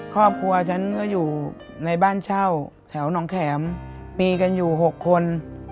ครอบครัวฉันก็อยู่ในบ้านเช่าแถวหนองแข็มมีกันอยู่๖คน